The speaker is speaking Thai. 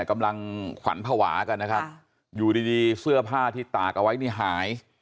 กำลังขวัญภาวะกันนะครับอยู่ดีดีเสื้อผ้าที่ตากเอาไว้นี่หาย